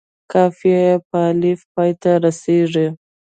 قافیه یې په الف پای ته رسيږي.